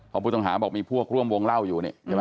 พอปุติฐ้าบอกมีพวกร่วมวงเล่าอยู่